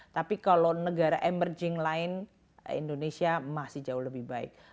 tapi kalau negara emerging lain indonesia masih jauh lebih baik